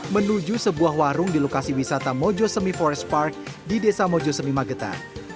menuju sebuah warung di lokasi wisata mojosemi forest park di desa mojosemi mageta